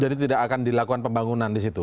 jadi tidak akan dilakukan pembangunan di situ